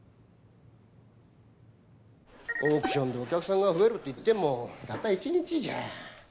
オークションでお客さんが増えるっていってもたった１日じゃ。